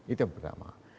itu yang pertama